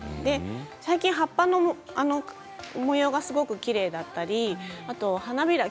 最近は葉っぱの模様がすごくきれいだったり花びら。